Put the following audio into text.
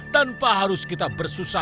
tanpa harus kita berpikir pikirkan